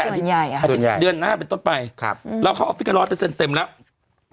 เดือนใหญ่อ่ะเดือนหน้าเป็นต้นไปครับเราเข้าออฟฟิศกันร้อยเปอร์เซ็นต์เต็มแล้ว